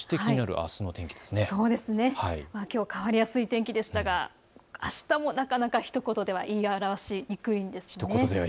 あすの天気、きょう変わりやすい天気でしたがあしたもなかなかひと言では言い表しにくいんです。